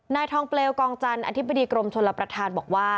นายทองเปลวกองจันทร์อธิบดีกรมชลประธานบอกว่า